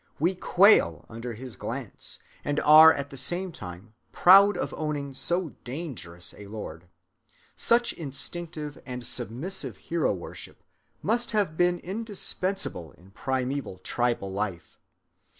We quail under his glance, and are at the same time proud of owning so dangerous a lord. Such instinctive and submissive hero‐ worship must have been indispensable in primeval tribal life.